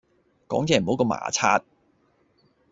講嘢唔好咁牙擦